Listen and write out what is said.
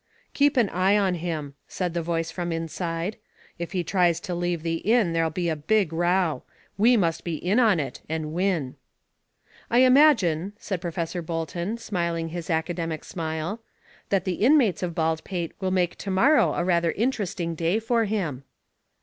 "Keep an eye an him," said the voice from inside. "If he tries to leave the inn there'll be a big row. We must be in on it and win." "I imagine," said Professor Bolton, smiling his academic smile, "that the inmates of Baldpate will make to morrow a rather interesting day for him."